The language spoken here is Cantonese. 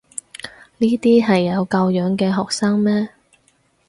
呢啲係有教養嘅學生咩？